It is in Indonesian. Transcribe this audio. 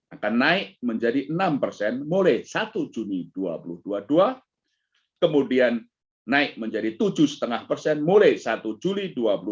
lima akan naik menjadi enam mulai satu juli dua ribu dua puluh dua kemudian naik menjadi tujuh setengah persen mulai satu juli